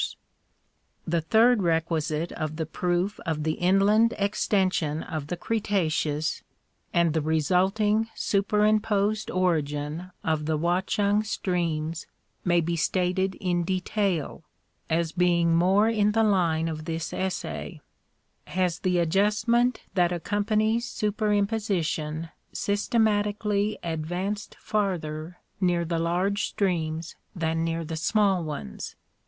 we OS The third requisite of the proof of the inland extension of the Cretaceous, and the resulting superimposed origin of the Watch ung streams may be stated in detail, as being more in the line of this essay: has the adjustment that accompanies superimposition systematically advanced farther near the large streams than near the small ones?